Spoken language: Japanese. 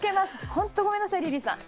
本当ごめんなさいリリーさん。